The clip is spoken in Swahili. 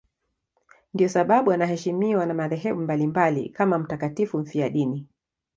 Ndiyo sababu anaheshimiwa na madhehebu mbalimbali kama mtakatifu mfiadini.